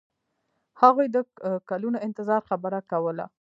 هغوی د کلونو انتظار خبره کوله.